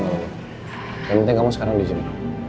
yang penting kamu sekarang di sini